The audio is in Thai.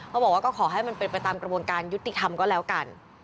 บอกว่าก็ขอให้มันเป็นไปตามกระบวนการยุติธรรมก็แล้วกัน